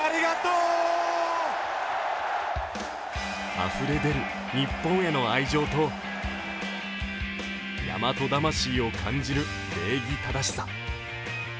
あふれ出る日本への愛情と大和魂を感じる礼儀正しさ。